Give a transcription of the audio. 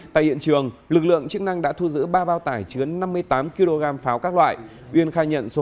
tại hiện trường lực lượng chức năng đã thu giữ ba bao tải chứa năm mươi tám kg pháo các loại uyên khai nhận số